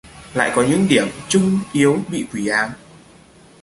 lại có những điểm chung yếu bị quỷ ám